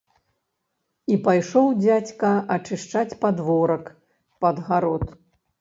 І пайшоў дзядзька ачышчаць падворак пад гарод.